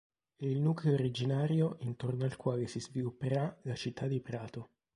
È il nucleo originario intorno al quale si svilupperà la città di Prato.